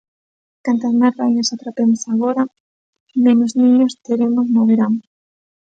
Cantas máis raíñas atrapemos agora, menos niños teremos no verán.